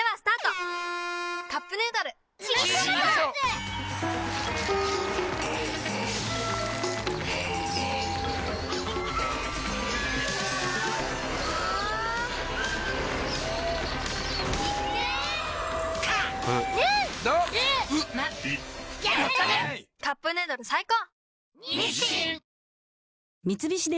「カップヌードル」最高！